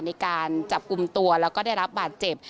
ในการจับกลุ่มตัวแล้วก็ได้รับบาดเจ็บ